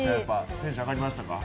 テンション上がりましたか？